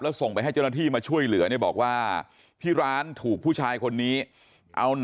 แล้วส่งไปให้เจ้าหน้าที่มาช่วยเหลือเนี่ยบอกว่า